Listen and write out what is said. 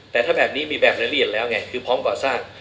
แต่ถ้าแบบนี้มีแบบละเอียดแล้วไงคือพร้อมก่อสร้าง